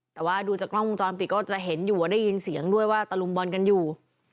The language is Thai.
แต่ว่าดูจากกล้องวงจรปิดก็จะเห็นอยู่ได้ยินเสียงด้วยว่าตะลุมบอลกันอยู่